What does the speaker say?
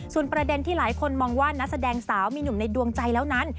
ส่วนประเด็นที่หลายคนมองว่านักแสดงสาวมีหนุ่มในดวงใจแล้วนั้น